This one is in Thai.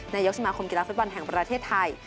นายกสมาคมกีฬาฟุตบอลแห่งประเทศไทย